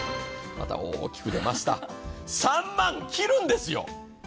また大きくでました、３万切るんですよ。